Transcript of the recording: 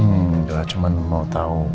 udah cuman mau tau